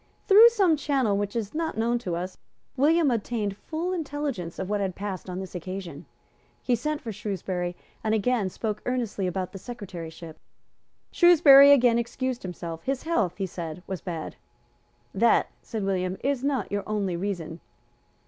Through some channel which is not known to us, William obtained full intelligence of what had passed on this occasion. He sent for Shrewsbury, and again spoke earnestly about the secretaryship. Shrewsbury again excused himself. His health, he said, was bad. "That," said William, "is not your only reason."